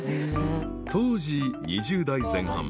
［当時２０代前半］